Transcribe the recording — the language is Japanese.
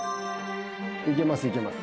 いけますいけます。